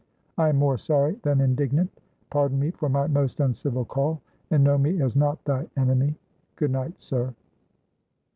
I am more sorry than indignant. Pardon me for my most uncivil call, and know me as not thy enemy. Good night, sir."